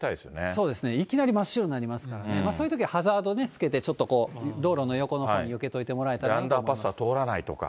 そうですね、いきなり真っ白になりますからね、そういうとき、ハザードをつけてね、ちょっと道路の横のほうによけといてもらえアンダーパスは通らないとか。